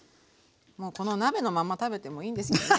もうこの鍋のまんま食べてもいいんですけどね